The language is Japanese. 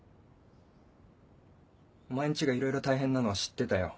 お前ん家がいろいろ大変なのは知ってたよ。